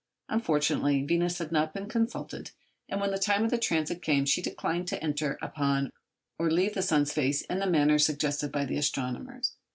Unfortunately, Venus had not been consulted, and when the time of the transit came she declined to enter upon or leave the sun's face in the manner suggested by the astronomers.